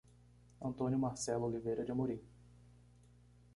Antônio Marcelo Oliveira de Amorim